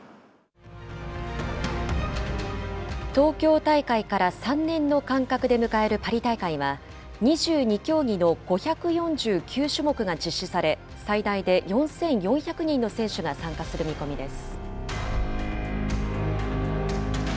東京大会から３年の間隔で迎えるパリ大会は、２２競技の５４９種目が実施され、最大で４４００人の選手が参加する見込みです。